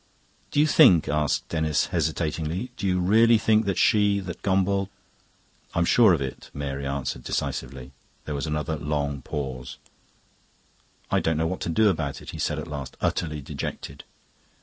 "Do you think," asked Denis hesitatingly "do you really think that she...that Gombauld..." "I'm sure of it," Mary answered decisively. There was another long pause. "I don't know what to do about it," he said at last, utterly dejected.